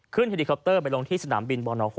ขึ้นอินดีคอปเตอร์ไปลงที่สนามบินบน๖